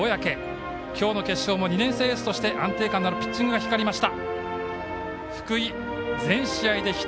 今日の決勝も２年生エースとして安定感のあるピッチングが光りました。